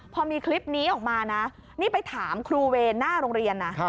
พอมีคลิปนี้ออกมานะนี่ไปถามครูเวรหน้าโรงเรียนนะ